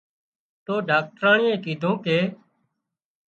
تو ڊاڪٽرانئي ڪيڌون ڪي